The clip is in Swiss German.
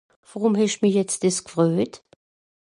Worùm hesch mich jetz dìss gfröjt ?